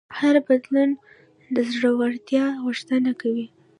هر بدلون د زړهورتیا غوښتنه کوي.